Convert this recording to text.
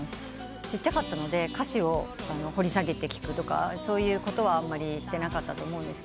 ちっちゃかったので歌詞を掘り下げて聴くとかそういうことはあんまりしてなかったと思うんですが。